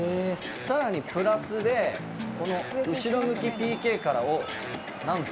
「さらにプラスでこの後ろ向きＰＫからなんと」